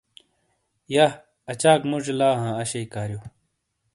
یَہہ اَچاک موجی لا ہاں اشئی کاریو۔